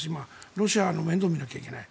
ロシアの面倒を見なきゃいけない。